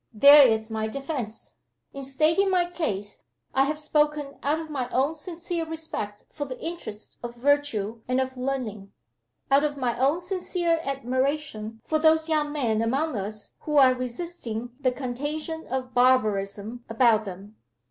There is my defense. In stating my case, I have spoken out of my own sincere respect for the interests of virtue and of learning; out of my own sincere admiration for those young men among us who are resisting the contagion of barbarism about them.